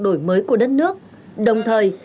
đổi mới của đất nước đồng thời